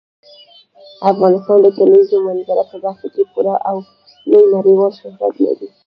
افغانستان د کلیزو منظره په برخه کې پوره او لوی نړیوال شهرت لري.